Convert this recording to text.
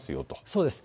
そうです。